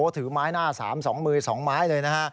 ถือไม้หน้าสามสองมือสองไม้เลยนะฮะ